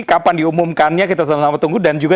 kapan diumumkannya kita sama sama tunggu dan juga